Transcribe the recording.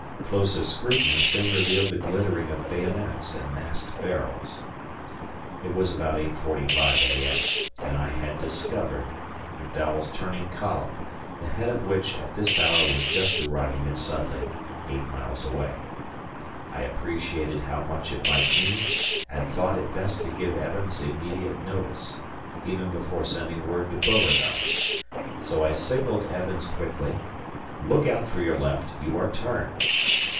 Closer scrutiny soon revealed the glittering of bayonets and masked barrels. It was about 8.45 A.M., and I had discovered McDowell's turning column the head of which at this hour was just arriving at Sudley, eight miles away. I appreciated how much it might mean and thought it best to give Evans immediate notice, even before sending word to Beauregard. So I signalled Evans quickly, "Look out for your left, you are turned."